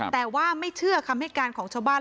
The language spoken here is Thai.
แต่ว่าไม่เชื่อคำให้การของชาวบ้าน